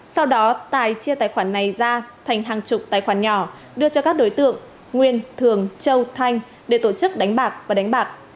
sau đó tài chia tài khoản này ra thành hàng chục tài khoản nhỏ đưa cho các đối tượng nguyên thường châu thanh để tổ chức đánh bạc và đánh bạc